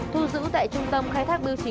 thu giữ tại trung tâm khai thác bưu trí